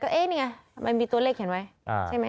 ก็เนี่ยมันมีตัวเลขเขียนไว้ใช่ไหม